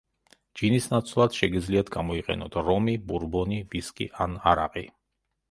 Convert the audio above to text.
ჯინის ნაცვლად შეგიძლიათ გამოიყენოთ რომი, ბურბონი, ვისკი ან არაყი.